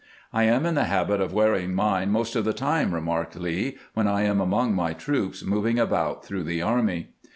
" I am in the habit of wearing mine most of the time," remarked Lee, " when I am among my troops moving about through the army."